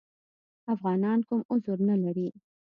افغانان کوم عذر نه لري.